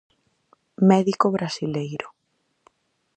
Médico brasileiro.